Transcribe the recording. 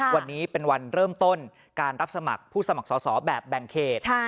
วันนี้เป็นวันเริ่มต้นการรับสมัครผู้สมัครสอบแบบแบ่งเขต